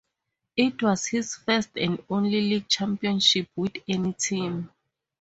It was his first and only league championship with any team.